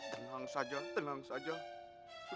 kamu tenang saja ya